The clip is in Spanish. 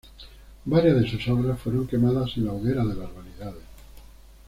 Varias de sus obras fueron quemadas en la hoguera de las vanidades.